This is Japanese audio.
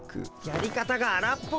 やり方があらっぽいよ。